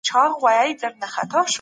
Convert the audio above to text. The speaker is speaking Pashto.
ملکیت باید د نورو په زیان نه وي.